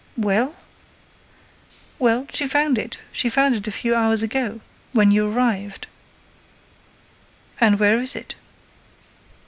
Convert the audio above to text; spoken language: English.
"Well?" "Well, she found it; she found it a few hours ago. When you arrived—" "And where is it?"